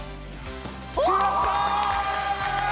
決まった！